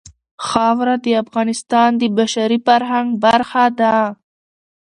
خاوره د افغانستان د بشري فرهنګ برخه ده.